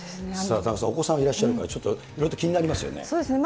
田中さん、お子さんいらっしゃるから、ちょっといろいろ気になりますよね。